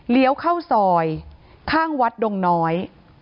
เหลี้ยวเข้าซอยข้างวัดดงน้อย